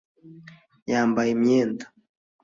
yambaye imyenda.